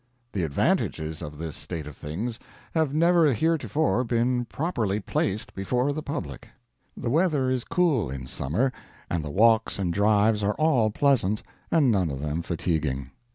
The advantages of this state of things have never heretofore been properly placed before the public. The weather is cool in summer, and the walks and drives are all pleasant and none of them fatiguing.